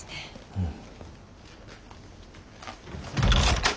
うん。